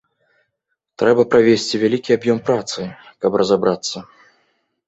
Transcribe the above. Трэба правесці вялікі аб'ём працы, каб разабрацца.